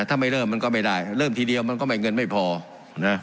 ถ้าไม่เริ่มมันก็ไม่ได้เริ่มทีเดียวมันก็ไม่เงินไม่พอนะ